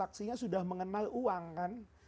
aksinya sudah mengenal uang kan